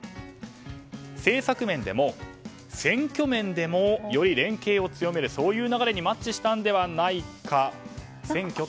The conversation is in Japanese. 政策面でも選挙面でも良い連携を強めるという流れにマッチしたのではないか。